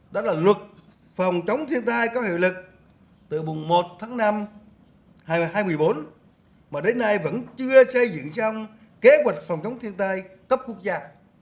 đó là luật phòng chống thiên tai có hiệu lực từ mùng một tháng năm hai nghìn hai mươi bốn mà đến nay vẫn chưa xây dựng xong kế hoạch phòng chống thiên tai cấp quốc gia